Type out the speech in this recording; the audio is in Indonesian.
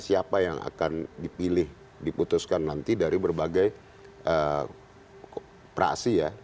siapa yang akan dipilih diputuskan nanti dari berbagai praksi ya